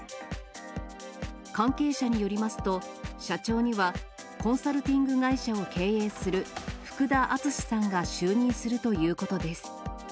関係者によりますと、社長にはコンサルティング会社を経営する福田淳さんが就任するということです。